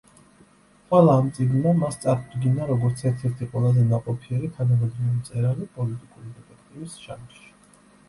ყველა ამ წიგნმა მას წარუდგინა როგორც ერთ-ერთი ყველაზე ნაყოფიერი თანამედროვე მწერალი პოლიტიკური დეტექტივის ჟანრში.